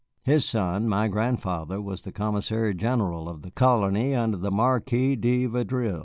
His son, my grandfather, was the Commissary general of the colony under the Marquis de Vaudreuil.